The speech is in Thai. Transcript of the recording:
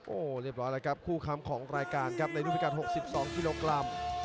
โอ้โหเรียบร้อยแล้วครับคู่ค้ำของรายการครับในรูปพิการ๖๒กิโลกรัม